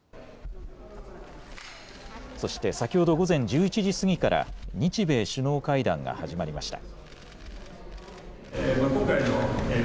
そして先ほど午前１１時過ぎから日米首脳会談が始まりました。